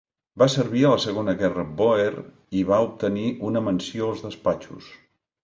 Va servir a la Segona Guerra Bòer i va obtenir una Menció als Despatxos.